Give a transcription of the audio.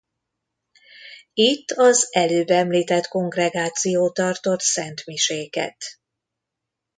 Itt az előbb említett Kongregáció tartott szentmiséket.